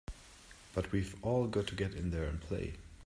But we've all got to get in there and play!